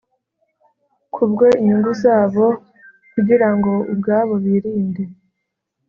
kubwo inyungu zabo kugira ngo ubwabo birinde